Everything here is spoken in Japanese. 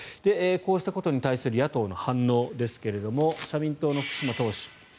こうしたことに対する野党の反応ですが社民党の福島党首。